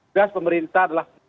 bias pemerintah adalah